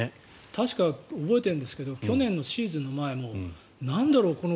確か、覚えているんですけど去年のシーズンの前もなんだろう